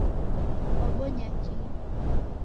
Kwabonya kii?